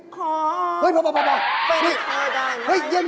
ขอเป็นเธอได้ไหม